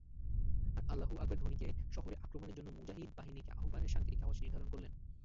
আর আল্লাহু আকবার ধ্বনিকে শহরে আক্রমণের জন্য মুজাহিদ বাহিনীকে আহবানের সাংকেতিক আওয়াজ নির্ধারণ করলেন।